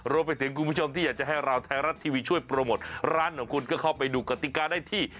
รวมไปถึงคุณผู้ชมที่อยากจะให้เราไทยรัฐทีวีช่วยโปรโมทร้านของคุณก็เข้าไปดูกติกาได้ที่